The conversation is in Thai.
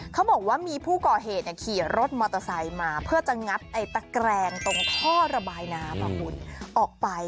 เขาบอกว่ามีผู้ก่อเหตุขี่รถมอเตอร์ไซค์มาเพื่อจะงัดไอ้ตะแกรงตรงท่อระบายน้ำออกไป